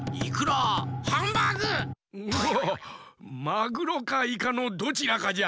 マグロかイカのどちらかじゃ。